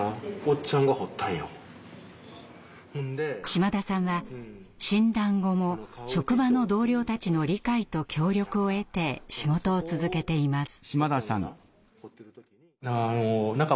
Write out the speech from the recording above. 島田さんは診断後も職場の同僚たちの理解と協力を得て仕事を続けています。